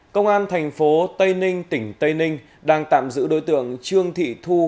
công an thành phố tây ninh tỉnh tây ninh đang tạm giữ đối tượng trương thị thu